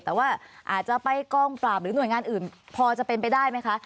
แต่ว่าอาจจะไปกองปราบหรือหน่วยงานอื่นพอจะเป็นไปได้ไหมคะ